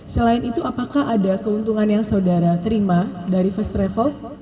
selain itu apakah ada keuntungan yang saudara terima dari first travel